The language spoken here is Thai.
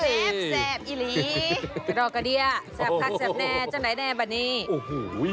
ถ้าพลังกันดีลองแซ่บคาดแซ่บแน่แจ้งไหนแน็บันนี้